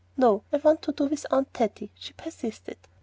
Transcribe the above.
"No, I want to do with my Aunt Taty," she persisted.